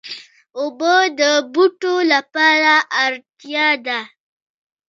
اوبه د بوټو لپاره اړتیا ده.